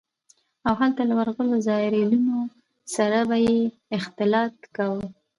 او هلته له ورغلو زايرينو سره به يې اختلاط کاوه.